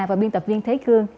và biên tập viên thế cương